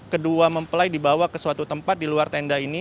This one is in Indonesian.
kedua mempelai dibawa ke suatu tempat di luar tenda ini